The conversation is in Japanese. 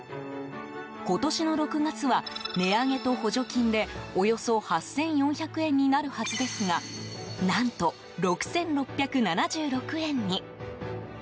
今年の６月は値上げと補助金でおよそ８４００円になるはずですが何と６６７６円に。